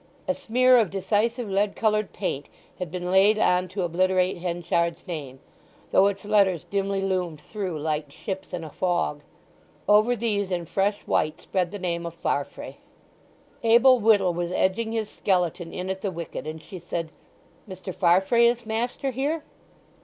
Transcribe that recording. A smear of decisive lead coloured paint had been laid on to obliterate Henchard's name, though its letters dimly loomed through like ships in a fog. Over these, in fresh white, spread the name of Farfrae. Abel Whittle was edging his skeleton in at the wicket, and she said, "Mr. Farfrae is master here?"